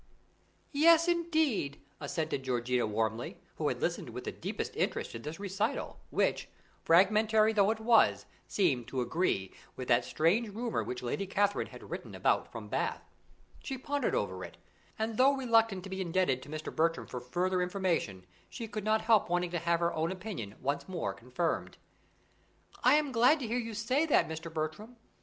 "Yes, indeed," assented Georgiana warmly, who had listened with the deepest interest to this recital, which, fragmentary though it was, seemed to agree with that strange rumour which Lady Catherine had written about from Bath. She pondered over it, and though reluctant to be indebted to Mr. Bertram for further information, she could not help wanting to have her own opinion once more confirmed. "I am glad to hear you say that, Mr. Bertram.